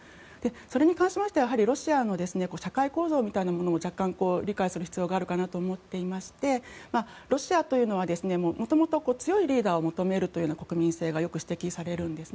それに関しては、やはりロシアの社会構造みたいなものも若干理解する必要があるかなと思っていましてロシアというのは元々強いリーダーを求めるという国民性がよく指摘されるんです